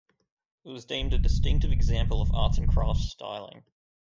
It was deemed "a distinctive example of Arts and Crafts styling".